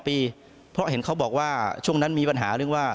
ปีเพราะเห็นเขาบอกว่าช่วงนั้นมีปัญหาเรื่องว่า